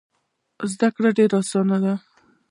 زده کړه یې ډېره اسانه ده.